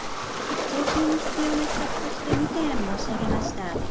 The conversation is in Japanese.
早急に必要な施策として２点申し上げました。